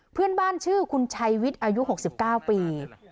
เพื่อนบ้านชื่อคุณชัยวิทย์อายุ๖๙ปี